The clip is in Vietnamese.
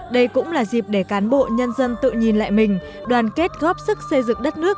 đây cũng là dịp để cán bộ nhân dân tự nhìn lại mình đoàn kết góp sức xây dựng đất nước